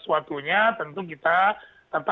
tentu kita tetap menggunakan mekanisme yang berbeda